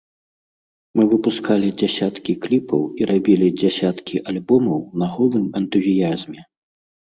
Мы выпускалі дзясяткі кліпаў і рабілі дзесяткі альбомаў на голым энтузіязме.